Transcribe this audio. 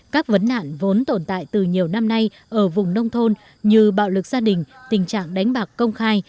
các vấn nạn vốn tồn tại từ nhiều năm nay ở vùng nông thôn như bạo lực gia đình tình trạng đánh bạc công khai